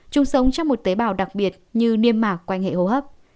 chúng sống trong một tế bào đặc biệt như niêm mạc quanh hệ hô hấp